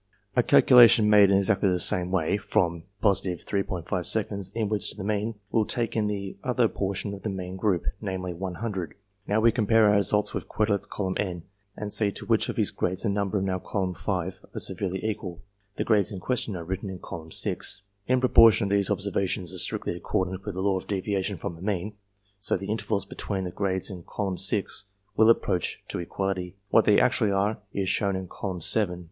A calculation made in exactly the same way, from + 3*5 sec. inwards to the mean, will take in the other portion of the mean group, namely, 100. Now we compare our results with Quetelet's Column N, and see to which of his grades the numbers in our Column V. are severally equal ; the grades in question are written in Column VI. In proportion as these observations are strictly accordant with the law of deviation from a mean, so the intervals between the grades in Column VI. will approach to equality. What they actually are, is shown in Column VII.